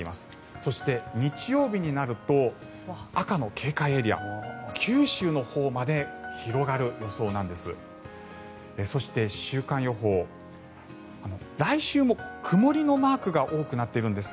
そして、日曜日になると赤の警戒エリアが九州のほうまで広がる予想なんです。